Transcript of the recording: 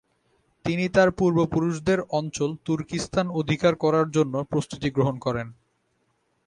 তিনি তার পূর্বপুরুষদের অঞ্চল তুর্কিস্তান অধিকার করার জন্য প্রস্তুতি গ্রহণ করেন।